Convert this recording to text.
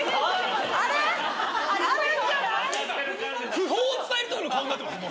訃報を伝える時の顔になってます。